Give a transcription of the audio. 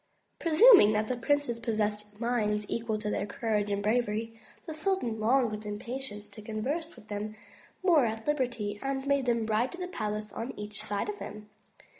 Presuming that the princes possessed minds equal to their courage and bravery, the sultan longed with impatience to converse with them more at liberty, and made them ride to the palace on each side of him.